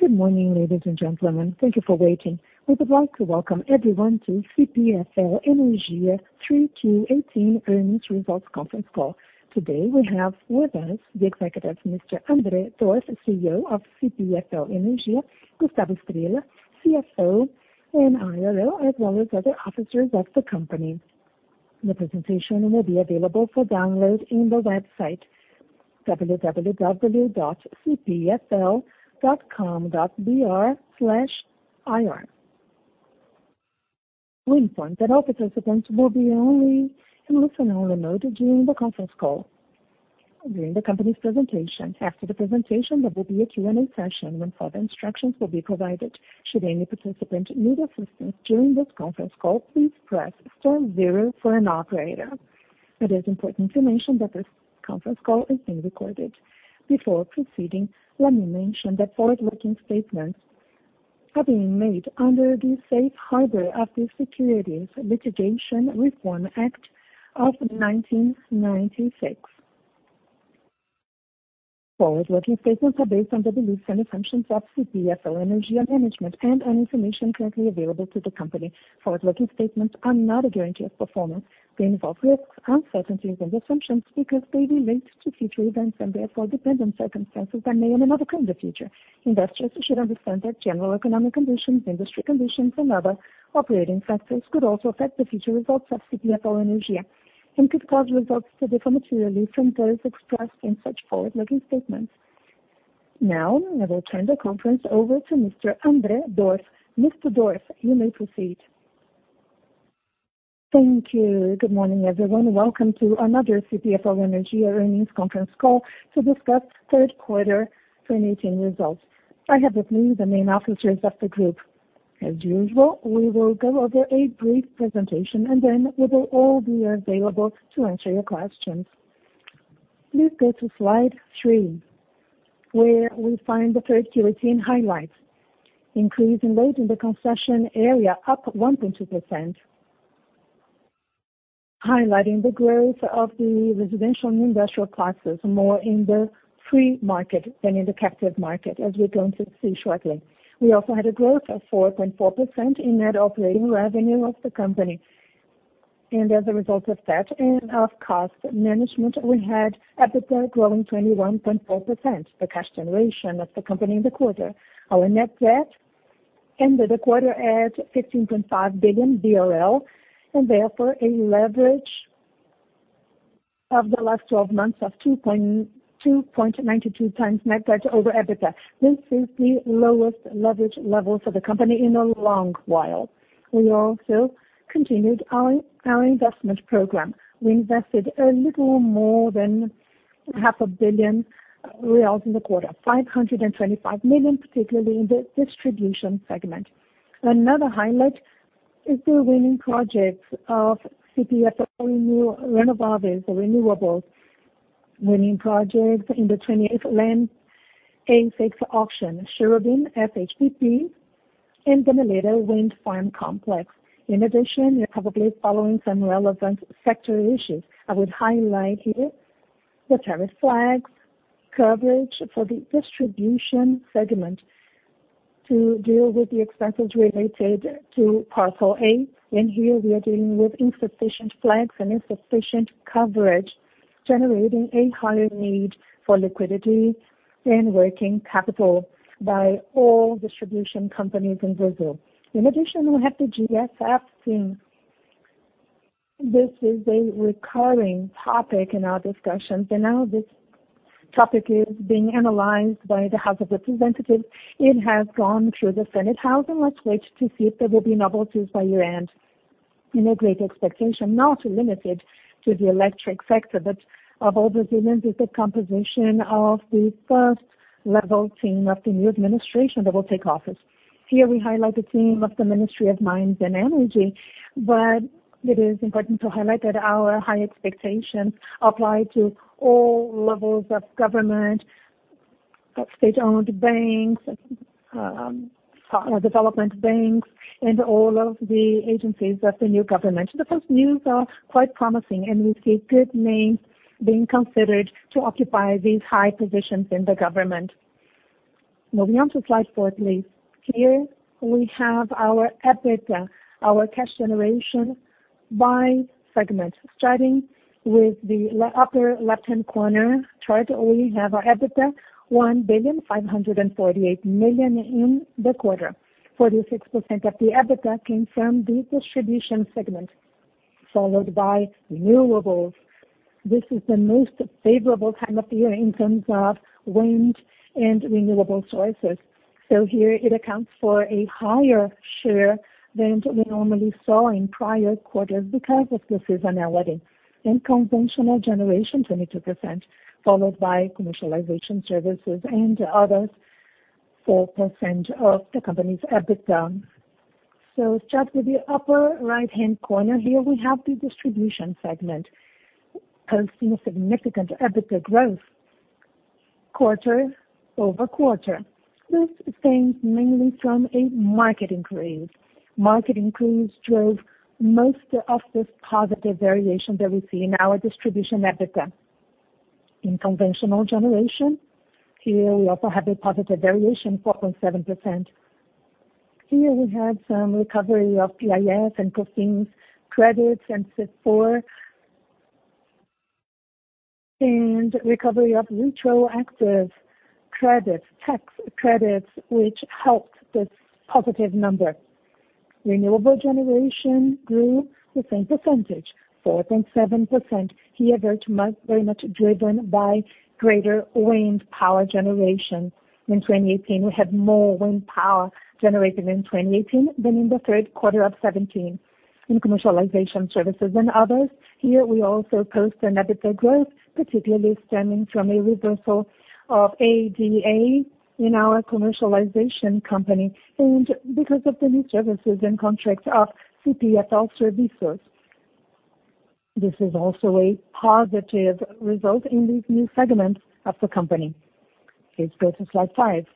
Good morning, ladies and gentlemen. Thank you for waiting. We would like to welcome everyone to CPFL Energia 3Q 2018 Earnings Results Conference Call. Today we have with us the executives, Mr. André Dorf, CEO of CPFL Energia, Gustavo Estrella, CFO and IRO, as well as other officers of the company. The presentation will be available for download in the website www.cpfl.com.br/ir. We inform that all participants will be only in listen-only mode during the conference call, during the company's presentation. After the presentation, there will be a Q&A session when further instructions will be provided. Should any participant need assistance during this conference call, please press star zero for an operator. It is important to mention that this conference call is being recorded. Before proceeding, let me mention that forward-looking statements are being made under the Safe Harbor of the Private Securities Litigation Reform Act of 1995. Forward-looking statements are based on the beliefs and assumptions of CPFL Energia management and on information currently available to the company. Forward-looking statements are not a guarantee of performance. They involve risks, uncertainties and assumptions because they relate to future events and therefore dependent circumstances that may or may not come in the future. Investors should understand that general economic conditions, industry conditions, and other operating factors could also affect the future results of CPFL Energia and could cause results to differ materially from those expressed in such forward-looking statements. I will turn the conference over to Mr. André Dorf. Mr. Dorf, you may proceed. Thank you. Good morning, everyone. Welcome to another CPFL Energia earnings conference call to discuss third quarter 2018 results. I have with me the main officers of the group. We will go over a brief presentation, then we will all be available to answer your questions. Please go to slide three, where we find the 3Q 2018 highlights. Increase in load in the concession area up 1.2%, highlighting the growth of the residential and industrial classes more in the free market than in the captive market, as we're going to see shortly. We also had a growth of 4.4% in net operating revenue of the company. As a result of that and of cost management, we had EBITDA growing 21.4%, the cash generation of the company in the quarter. Our net debt ended the quarter at 15.5 billion BRL, therefore a leverage of the last 12 months of 2.92 times net debt over EBITDA. This is the lowest leverage level for the company in a long while. We also continued our investment program. We invested a little more than half a billion BRL in the quarter, 525 million, particularly in the distribution segment. Another highlight is the winning projects of CPFL Renováveis, renewables, winning projects in the 28th [new energy] A-6 auction, Cherobim SHPP, and the Gameleira Wind Complex. You're probably following some relevant sector issues. I would highlight here the tariff flags coverage for the distribution segment to deal with the expenses related to Parcel A. Here we are dealing with insufficient flags and insufficient coverage, generating a higher need for liquidity and working capital by all distribution companies in Brazil. We have the GSF team. This is a recurring topic in our discussions, this topic is being analyzed by the House of Representatives. It has gone through the Federal Senate, let's wait to see if there will be novelties by year-end. A great expectation, not limited to the electric sector, but of all Brazilians, is the composition of the first-level team of the new administration that will take office. Here we highlight the team of the Ministry of Mines and Energy, but it is important to highlight that our high expectations apply to all levels of government, of state-owned banks, development banks, and all of the agencies of the new government. The first news are quite promising. We see good names being considered to occupy these high positions in the government. Moving on to slide four, please. Here we have our EBITDA, our cash generation by segment. Starting with the upper left-hand corner, try to only have our EBITDA 1.548 billion in the quarter. 46% of the EBITDA came from the distribution segment, followed by renewables. Here it accounts for a higher share than we normally saw in prior quarters because of the seasonality. Conventional generation, 22%, followed by commercialization services and others, 4% of the company's EBITDA. Starting with the upper right-hand corner here, we have the distribution segment posting a significant EBITDA growth quarter-over-quarter. This stems mainly from a market increase. Market increase drove most of this positive variation that we see in our distribution EBITDA. In conventional generation, here we also have a positive variation, 4.7%. Here we have some recovery of PIS and COFINS credits and CFURH, and recovery of retroactive credits, tax credits, which helped this positive number. Renewable generation grew the same percentage, 4.7%, here very much driven by greater wind power generation in 2018. We had more wind power generated in 2018 than in the third quarter of 2017. In commercialization services and others, here we also post an EBITDA growth, particularly stemming from a reversal of ADA in our commercialization company, and because of the new services and contracts of CPFL Serviços. This is also a positive result in these new segments of the company. Please go to slide five.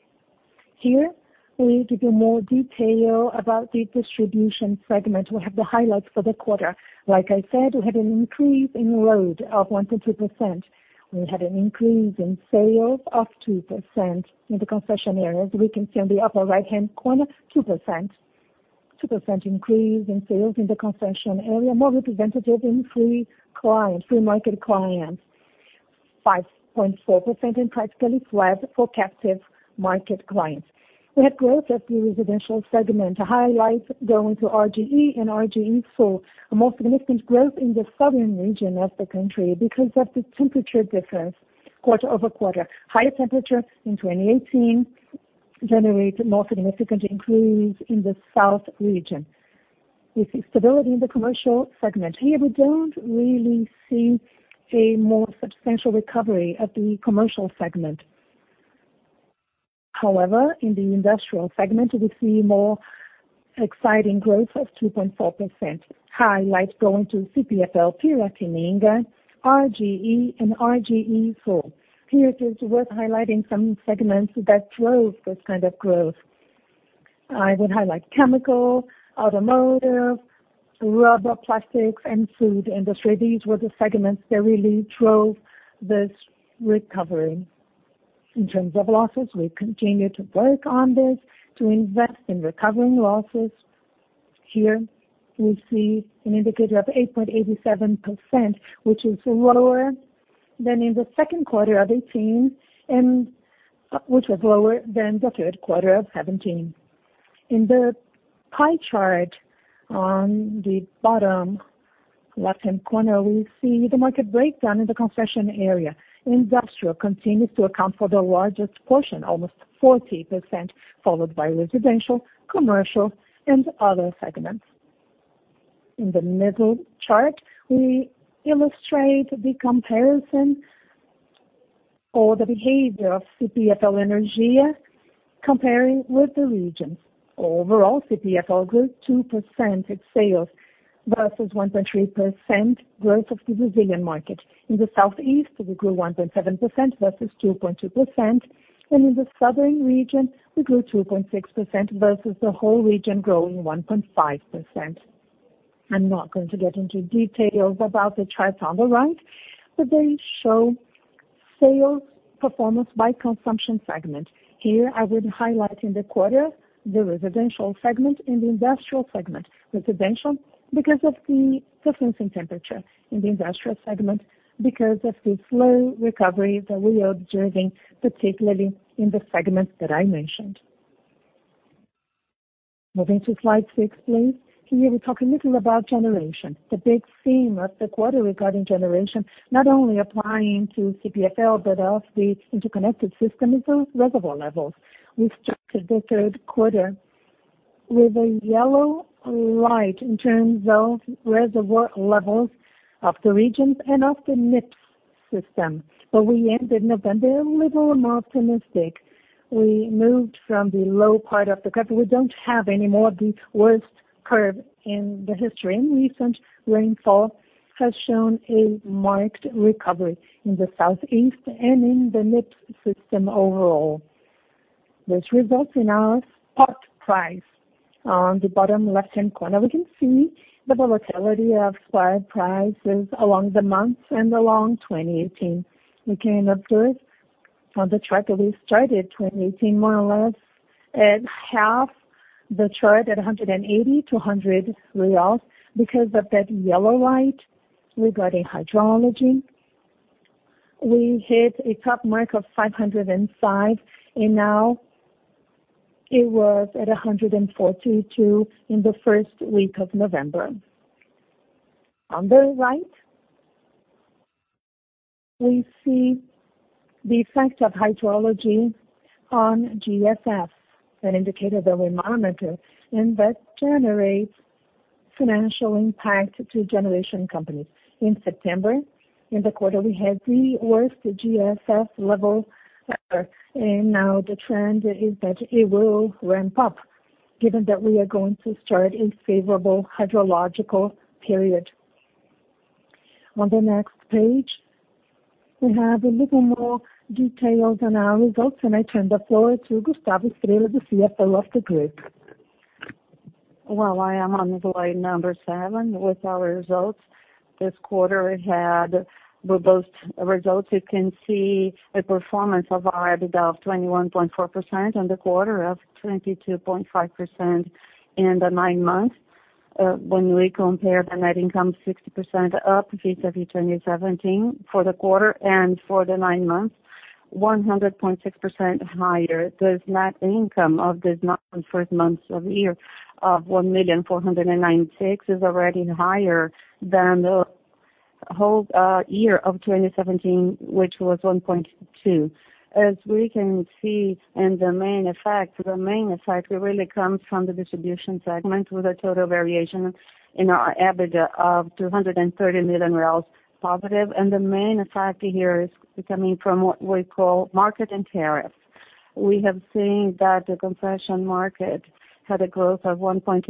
Here, we give you more detail about the distribution segment. We have the highlights for the quarter. Like I said, we had an increase in load of 1.2%. We had an increase in sales of 2% in the concession areas. We can see on the upper right-hand corner 2%, 2% increase in sales in the concession area, more representative in free market clients, 5.4% and practically flat for captive market clients. We have growth of the residential segment. The highlights going to RGE and RGE Sul. A more significant growth in the southern region of the country because of the temperature difference quarter-over-quarter. Higher temperature in 2018 generated more significant increase in the south region. We see stability in the commercial segment. Here we don't really see a more substantial recovery of the commercial segment. However, in the industrial segment, we see more exciting growth of 2.4%. Highlight going to CPFL Piratininga, RGE, and RGE Sul. Here it is worth highlighting some segments that drove this kind of growth. I would highlight chemical, automotive, rubber, plastics, and food industry. These were the segments that really drove this recovery. In terms of losses, we continue to work on this to invest in recovering losses. Here we see an indicator of 8.87%, which was lower than the third quarter of 2017. In the pie chart on the bottom left-hand corner, we see the market breakdown in the concession area. Industrial continues to account for the largest portion, almost 40%, followed by residential, commercial, and other segments. In the middle chart, we illustrate the comparison or the behavior of CPFL Energia comparing with the regions. Overall, CPFL grew 2% in sales versus 1.3% growth of the Brazilian market. In the Southeast, we grew 1.7% versus 2.2%, and in the southern region, we grew 2.6% versus the whole region growing 1.5%. I'm not going to get into details about the charts on the right, but they show sales performance by consumption segment. Here I would highlight in the quarter the residential segment and the industrial segment. Residential, because of the difference in temperature. In the industrial segment, because of the slow recovery that we are observing, particularly in the segments that I mentioned. Moving to slide six, please. Here we talk a little about generation. The big theme of the quarter regarding generation, not only applying to CPFL but also the interconnected system, is the reservoir levels. We started the third quarter with a yellow light in terms of reservoir levels of the regions and of the [SIN] system. We ended November a little more optimistic. We moved from the low part of the curve. We don't have any more of the worst curve in the history, and recent rainfall has shown a marked recovery in the Southeast and in the SIN system overall, which results in our spot price. On the bottom left-hand corner, we can see the volatility of spot prices along the months and along 2018. We can observe on the chart that we started 2018 more or less at half the chart at 180 to 100 reais because of that yellow light regarding hydrology. We hit a top mark of 505, and now it was at 142 in the first week of November. On the right, we see the effect of hydrology on GSF, an indicator that we monitor, and that generates financial impact to generation companies. In September, in the quarter, we had the worst GSF level ever, and now the trend is that it will ramp up given that we are going to start a favorable hydrological period. On the next page, we have a little more details on our results, and I turn the floor to Gustavo Pereira, the Chief Financial Officer of the group. Well, I am on slide number seven with our results. This quarter had good results. You can see a performance of our EBITDA of 21.4% on the quarter, of 22.5% in the nine months. When we compare the net income, 60% up vis-a-vis 2017 for the quarter and for the nine months, 100.6% higher. This net income of this first months of year of 1.496 million is already higher than the whole year of 2017, which was 1.2. As we can see in the main effects, the main effect really comes from the distribution segment with a total variation in our EBITDA of 230 million positive. The main effect here is coming from what we call market and tariff. We have seen that the concession market had a growth of 1.2%,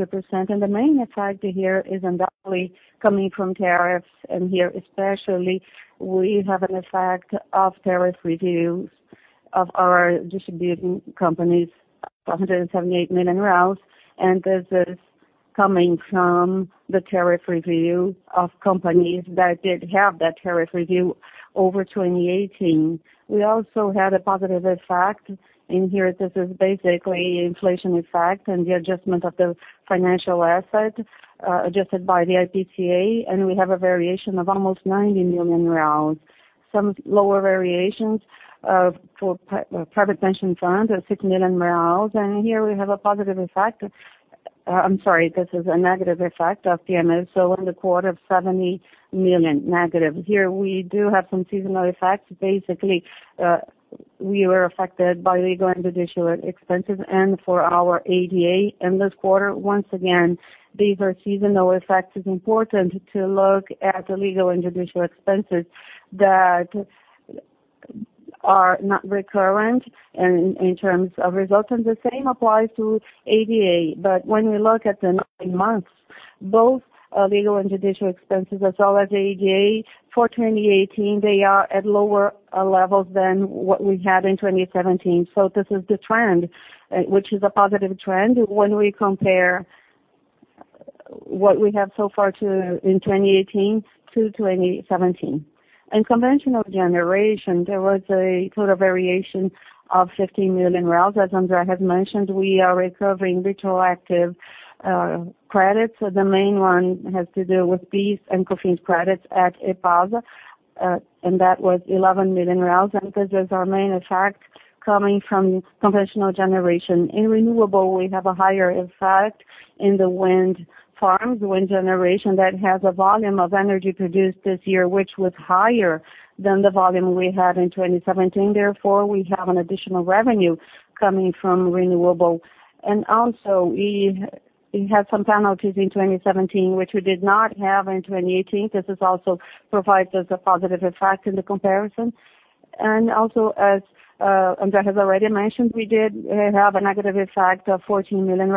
and the main effect here is undoubtedly coming from tariffs. Here especially, we have an effect of tariff reviews of our distribution companies, 178 million, and this is coming from the tariff review of companies that did have that tariff review over 2018. We also had a positive effect in here. This is basically inflation effect and the adjustment of the financial asset adjusted by the IPCA, and we have a variation of almost 90 million reais. Some lower variations for private pension funds of 6 million reais. Here we have a positive effect. I'm sorry, this is a negative effect of PMSO. In the quarter of 70 million, negative. Here, we do have some seasonal effects. Basically, we were affected by legal and judicial expenses and for our ADA in this quarter. Once again, these are seasonal effects. It's important to look at the legal and judicial expenses that are not recurrent in terms of results, and the same applies to ADA. When we look at the nine months, both legal and judicial expenses, as well as ADA, for 2018, they are at lower levels than what we had in 2017. This is the trend, which is a positive trend when we compare what we have so far in 2018 to 2017. In conventional generation, there was a total variation of 50 million. As André has mentioned, we are recovering retroactive credits. The main one has to do with PIS and COFINS credits at EPASA, and that was 11 million. This is our main effect coming from conventional generation. In renewable, we have a higher effect in the wind farms. Wind generation that has a volume of energy produced this year, which was higher than the volume we had in 2017. Therefore, we have an additional revenue coming from renewable. Also we had some penalties in 2017, which we did not have in 2018. This has also provided us a positive effect in the comparison. Also as André has already mentioned, we did have a negative effect of 14 million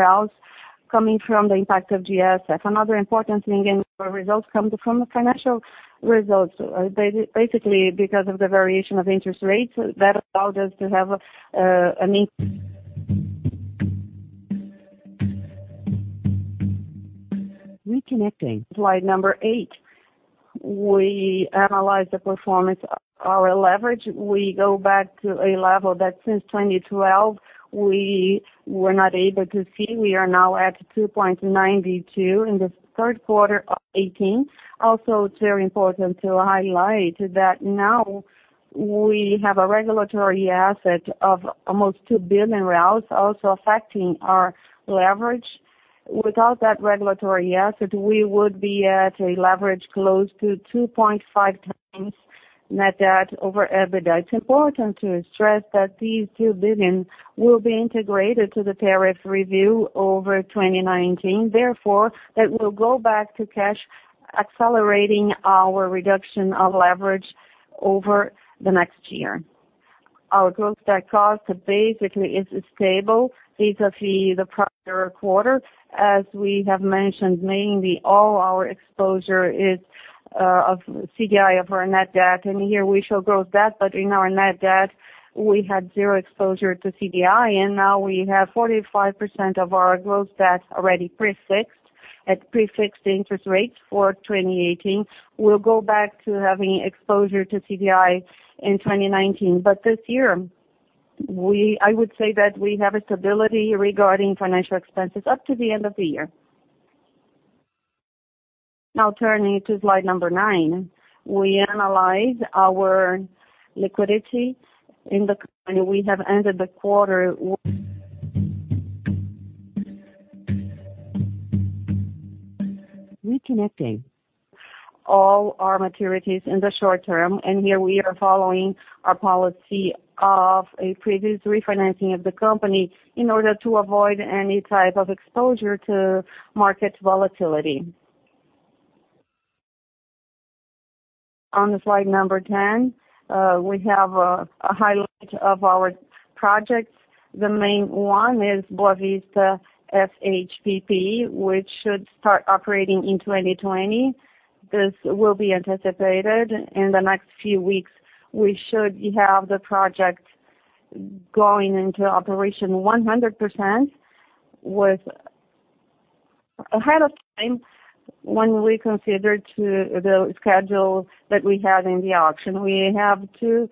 coming from the impact of GSF. Another important thing in our results comes from the financial results. Basically, because of the variation of interest rates, that allowed us to have an. Slide number eight. We analyzed the performance of our leverage. We go back to a level that since 2012, we were not able to see. We are now at 2.92 in the third quarter of 2018. It's very important to highlight that now we have a regulatory asset of almost 2 billion reais also affecting our leverage. Without that regulatory asset, we would be at a leverage close to 2.5x net debt over EBITDA. It's important to stress that these 2 billion will be integrated to the tariff review over 2019. Therefore, that will go back to cash, accelerating our reduction of leverage over the next year. Our gross debt cost basically is stable vis-a-vis the prior quarter. As we have mentioned, mainly all our exposure is of CDI of our net debt. Here we show gross debt, but in our net debt, we had zero exposure to CDI, and now we have 45% of our gross debt already prefixed at prefixed interest rates for 2018. We'll go back to having exposure to CDI in 2019. This year, I would say that we have a stability regarding financial expenses up to the end of the year. Turning to slide number nine, we analyze our liquidity in the company. We have ended the quarter. All our maturities in the short term, and here we are following our policy of a previous refinancing of the company in order to avoid any type of exposure to market volatility. On slide number 10, we have a highlight of our projects. The main one is Boa Vista SHPP, which should start operating in 2020. This will be anticipated. In the next few weeks, we should have the project going into operation 100% was ahead of time when we consider the schedule that we had in the A-6 auction. We have two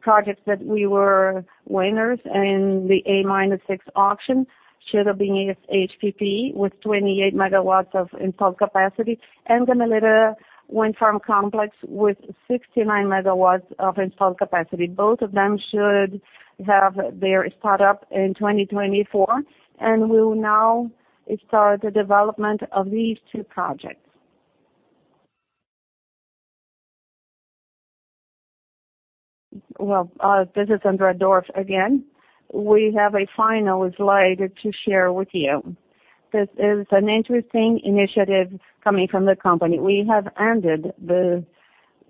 projects that we were winners in the A-6 auction, Cherobim HPP with 28 MW of installed capacity, and the Gameleira Wind Complex with 69 MW of installed capacity. Both of them should have their start-up in 2024, and we'll now start the development of these two projects. Well, this is André Dorf again. We have a final slide to share with you. This is an interesting initiative coming from the company. We have ended the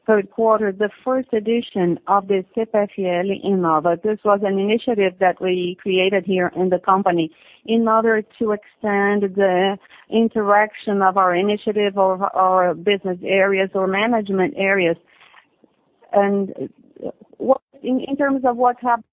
third quarter, the first edition of the Programa Inova. This was an initiative that we created here in the company in order to extend the interaction of our initiative of our business areas or management areas. In terms of what's happening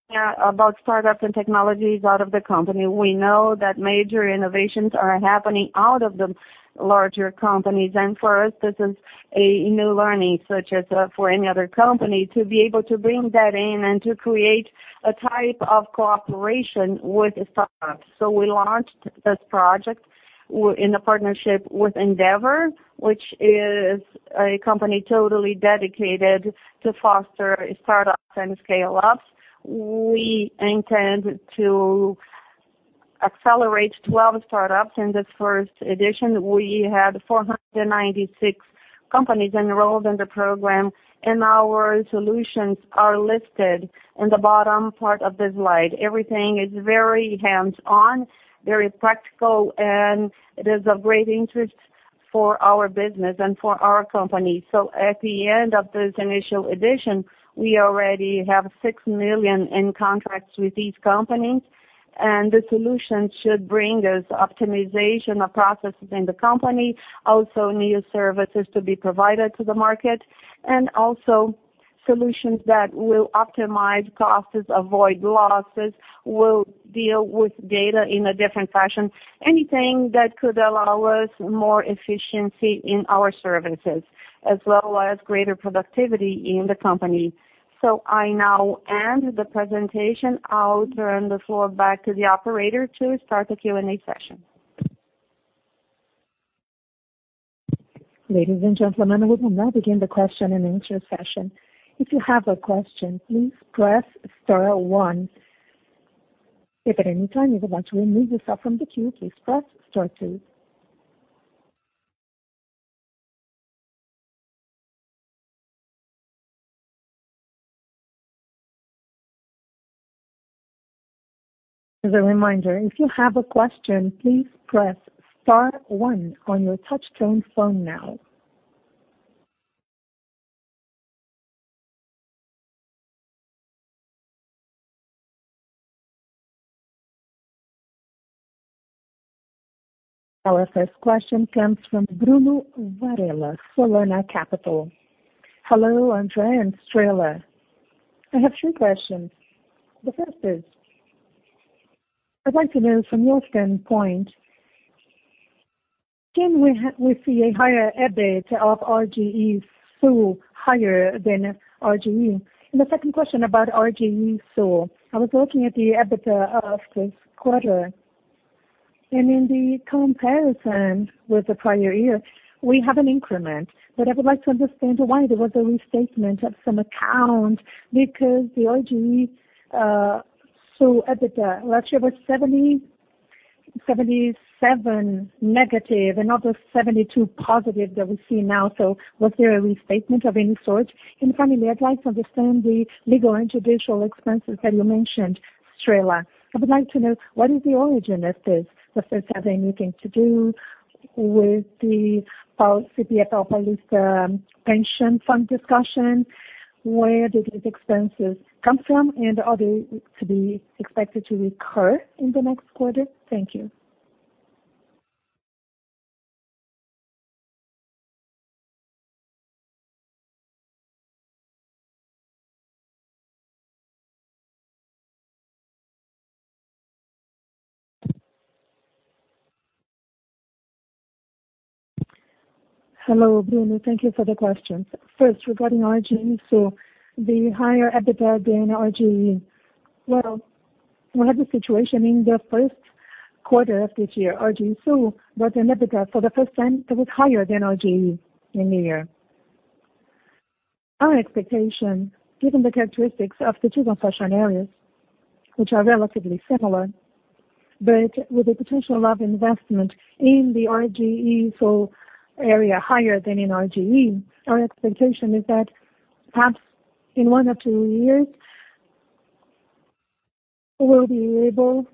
about startups and technologies out of the company, we know that major innovations are happening out of the larger companies. For us, this is a new learning, such as for any other company, to be able to bring that in and to create a type of cooperation with startups. We launched this project in a partnership with Endeavor, which is a company totally dedicated to foster startups and scale ups. We intend to accelerate 12 startups. In this first edition, we had 496 companies enrolled in the program, and our solutions are listed in the bottom part of the slide. Everything is very hands-on, very practical, and it is of great interest for our business and for our company. At the end of this initial edition, we already have 6 million in contracts with these companies, the solution should bring us optimization of processes in the company, also new services to be provided to the market, also solutions that will optimize costs, avoid losses, will deal with data in a different fashion, anything that could allow us more efficiency in our services as well as greater productivity in the company. I now end the presentation. I'll turn the floor back to the operator to start the Q&A session. Ladies and gentlemen, we will now begin the question and answer session. If you have a question, please press star one. If at any time you want to remove yourself from the queue, please press star two. As a reminder, if you have a question, please press star one on your touch-tone phone now. Our first question comes from Bruno Varella, Solana Capital. Hello, André and Estrella. I have three questions. The first is, I'd like to know from your standpoint, can we see a higher EBIT of RGE Sul higher than RGE? The second question about RGE Sul, I was looking at the EBITDA of this quarter, and in the comparison with the prior year, we have an increment. I would like to understand why there was a restatement of some account because the RGE Sul EBITDA last year was 77 negative and not the 72 positive that we see now. Was there a restatement of any sort? Finally, I'd like to understand the legal and judicial expenses that you mentioned, Estrella. I would like to know what is the origin of this. Does this have anything to do with the São Paulo pension fund discussion? Where did these expenses come from, and are they to be expected to recur in the next quarter? Thank you. Hello, Bruno. Thank you for the questions. First, regarding RGE Sul, the higher EBITDA than RGE. We had a situation in the first quarter of this year. RGE Sul was in EBITDA for the first time. It was higher than RGE in the year. Our expectation, given the characteristics of the two concession areas, which are relatively similar, but with the potential of investment in the RGE Sul area higher than in RGE. Our expectation is that perhaps in one or two years, we'll be able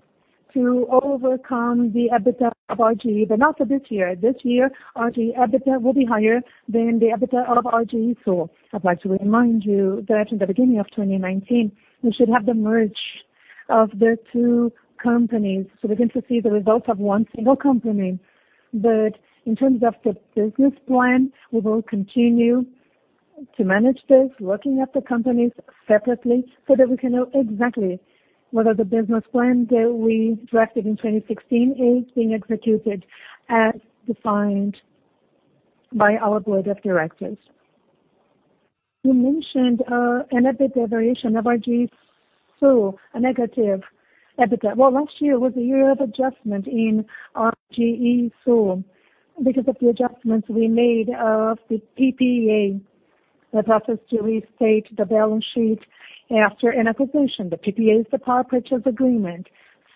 to overcome the EBITDA of RGE, but not for this year. This year, RGE EBITDA will be higher than the EBITDA of RGE Sul. I'd like to remind you that in the beginning of 2019, we should have the merge of the two companies. We're going to see the results of one single company. In terms of the business plan, we will continue to manage this, looking at the companies separately so that we can know exactly whether the business plan that we drafted in 2016 is being executed as defined by our board of directors. You mentioned an EBITDA variation of RGE Sul, a negative EBITDA. Last year was a year of adjustment in RGE Sul because of the adjustments we made of the PPA, the process to restate the balance sheet after an acquisition. The PPA is the power purchase agreement.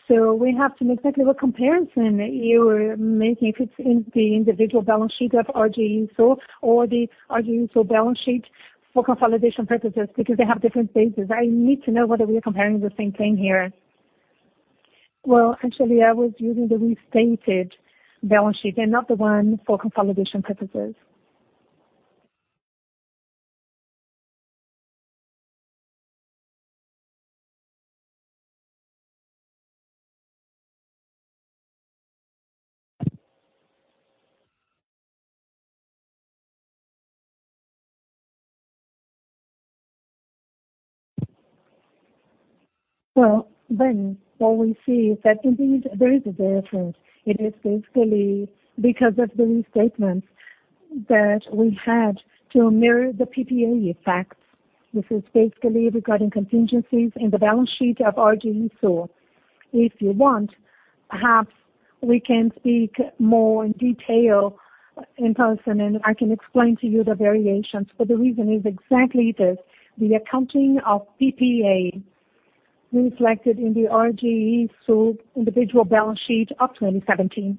We have to know exactly what comparison you are making, if it's in the individual balance sheet of RGE Sul or the RGE Sul balance sheet for consolidation purposes, because they have different bases. I need to know whether we are comparing the same thing here. I was using the restated balance sheet and not the one for consolidation purposes. What we see is that there is a difference. It is basically because of the restatements that we had to mirror the PPA effects. This is basically regarding contingencies in the balance sheet of RGE Sul. If you want, perhaps we can speak more in detail in person, and I can explain to you the variations. The reason is exactly this, the accounting of PPA reflected in the RGE Sul individual balance sheet of 2017.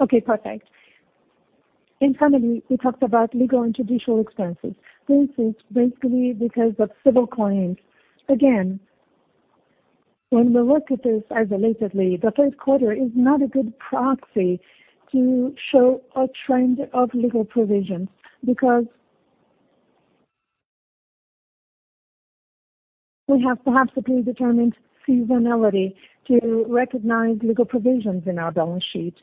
Okay, perfect. Finally, we talked about legal and judicial expenses. This is basically because of civil claims. Again, when we look at this isolatedly, the first quarter is not a good proxy to show a trend of legal provisions, because we have perhaps a predetermined seasonality to recognize legal provisions in our balance sheet.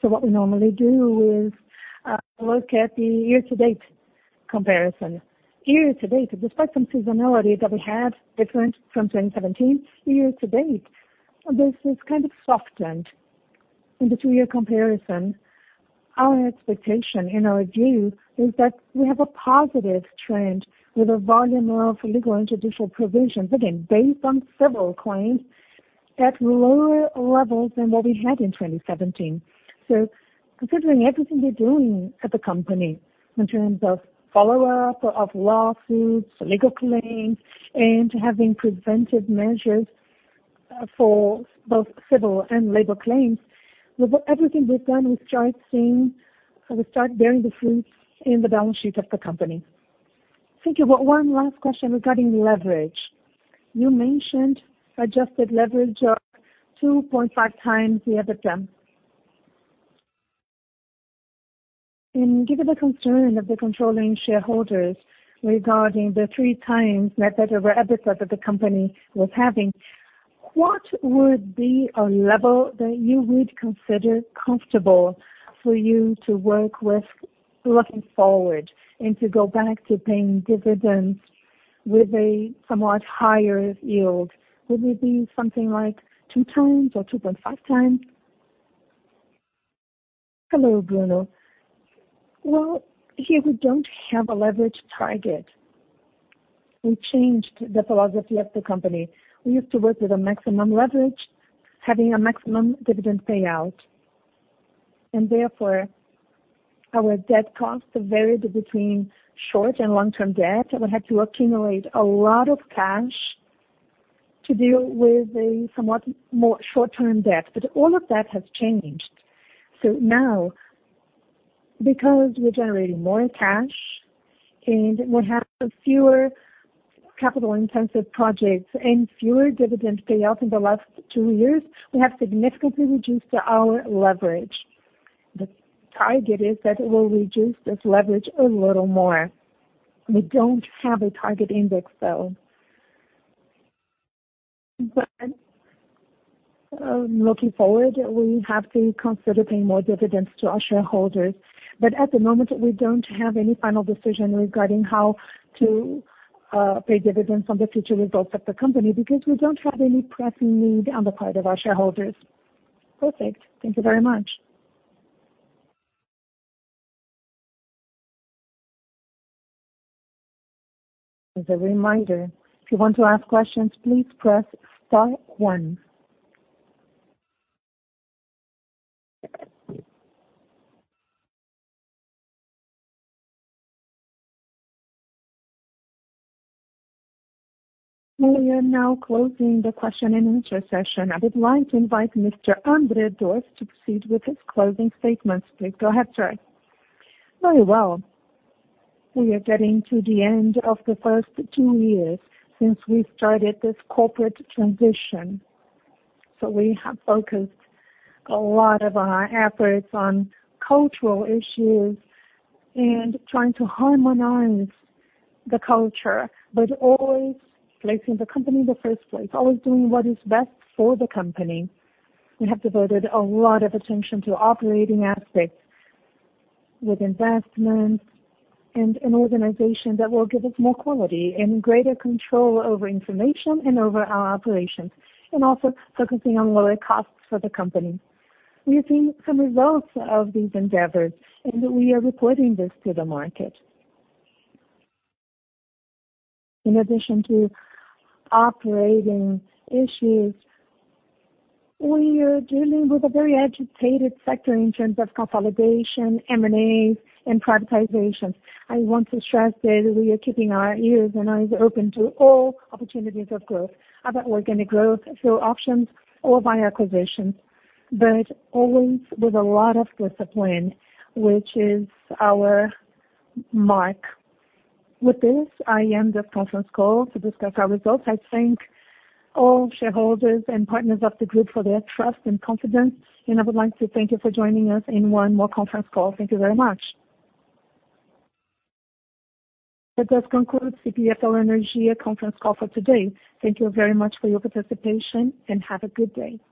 What we normally do is look at the year-to-date comparison. Year-to-date, despite some seasonality that we had different from 2017, year-to-date, this has kind of softened in the two-year comparison. Our expectation in our view is that we have a positive trend with a volume of legal and judicial provisions, again, based on civil claims at lower levels than what we had in 2017. Considering everything we're doing at the company in terms of follow-up of lawsuits, legal claims, and having preventive measures for both civil and labor claims, with everything we've done, we start bearing the fruits in the balance sheet of the company. Thank you. One last question regarding leverage. You mentioned adjusted leverage of 2.5 times the EBITDA. Given the concern of the controlling shareholders regarding the three times net debt over EBITDA that the company was having, what would be a level that you would consider comfortable for you to work with looking forward and to go back to paying dividends with a somewhat higher yield? Would it be something like two times or 2.5 times? Hello, Bruno. Here we don't have a leverage target. We changed the philosophy of the company. We used to work with a maximum leverage, having a maximum dividend payout, therefore our debt costs varied between short and long-term debt, we had to accumulate a lot of cash to deal with a somewhat more short-term debt. All of that has changed. Now, because we are generating more cash and we have fewer capital-intensive projects and fewer dividend payouts in the last two years, we have significantly reduced our leverage. The target is that we will reduce this leverage a little more. We do not have a target index, though. Looking forward, we have to consider paying more dividends to our shareholders. At the moment, we do not have any final decision regarding how to pay dividends on the future results of the company because we do not have any pressing need on the part of our shareholders. Perfect. Thank you very much. As a reminder, if you want to ask questions, please press star one. We are now closing the question and answer session. I would like to invite Mr. André Dorf to proceed with his closing statements. Please go ahead, sir. Very well. We are getting to the end of the first two years since we started this corporate transition. We have focused a lot of our efforts on cultural issues and trying to harmonize the culture, but always placing the company in the first place, always doing what is best for the company. We have devoted a lot of attention to operating aspects with investments and an organization that will give us more quality and greater control over information and over our operations, and also focusing on lower costs for the company. We are seeing some results of these endeavors, and we are reporting this to the market. In addition to operating issues, we are dealing with a very agitated sector in terms of consolidation, M&As, and privatizations. I want to stress that we are keeping our ears and eyes open to all opportunities of growth, about organic growth through options or via acquisitions, always with a lot of discipline, which is our mark. With this, I end this conference call to discuss our results. I thank all shareholders and partners of the group for their trust and confidence, and I would like to thank you for joining us in one more conference call. Thank you very much. That does conclude CPFL Energia conference call for today. Thank you very much for your participation, and have a good day.